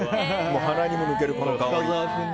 鼻にも抜けるこの香り。